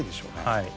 はい。